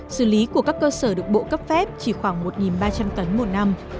xử lý của các cơ sở được bộ cấp phép chỉ khoảng một ba trăm linh tấn một năm